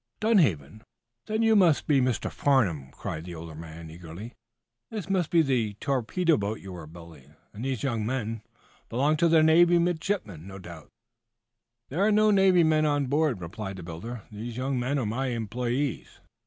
"Dunhaven? Then you must be Mr. Farnum," cried the older man, eagerly. "This must be the torpedo boat you were building. And these young men belong to the Navy? Midshipmen, no doubt?" "There are no Navy men on board," replied the builder. "These young men are my employes.